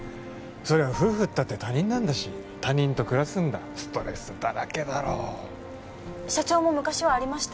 そりゃ夫婦ったって他人なんだし他人と暮らすんだストレスだらけだろ社長も昔はありました？